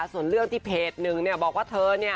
ส่วนเรื่องที่เพจหนึ่งเนี่ยบอกว่าเธอเนี่ย